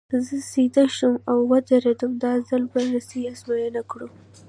زه سیده شوم او ودرېدم، دا ځل به رسۍ ازموینه کړو.